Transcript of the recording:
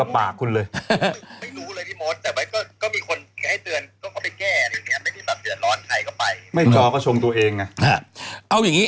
ปีนี้โดนโกงก็มีหนังครับ